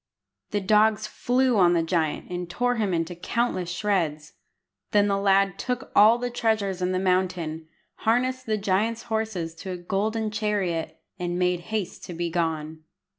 The dogs flew on the giant, and tore him into countless shreds. Then the lad took all the treasures in the mountain, harnessed the giant's horses to a golden chariot, and made haste to be gone.